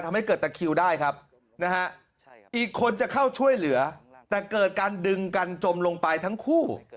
ทำให้เกิดตะคิวได้ครับนะฮะอีกคนจะเข้าช่วยเหลือแต่เกิดการดึงกันจมลงไปทั้งคู่